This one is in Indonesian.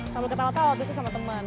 sambil ketawa tawa waktu itu sama temen